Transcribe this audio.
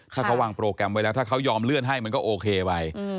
ถ้าเขาวางโปรแกรมไว้แล้วถ้าเขายอมเลื่อนให้มันก็โอเคไป